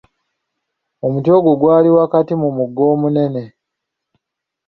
Omuti ogwo gwali wakati mu mugga omunene.